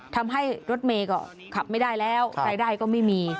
ทำให้รถเมย์ก็ขับไม่ได้แล้วรายได้ก็ไม่มี